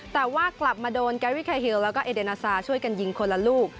แต่ว่ากลับมาโดนแกรี่คาฮิลแล้วก็เอเดนาซาช่วยกันยิงคนละลูก